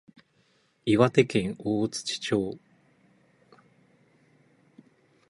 岩手県大槌町